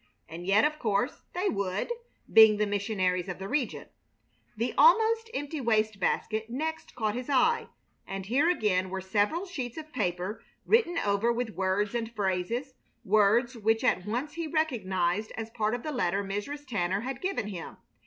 And yet, of course, they would, being the missionaries of the region. The almost empty waste basket next caught his eye, and here again were several sheets of paper written over with words and phrases, words which at once he recognized as part of the letter Mrs. Tanner had given him.